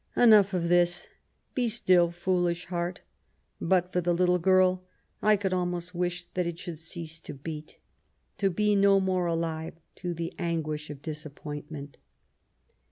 Enough of this ; be stilly foolish heart ! But for the little girl^ I could almost wish that it should cease to beat, to be no more alive to the an guish of disappointment.'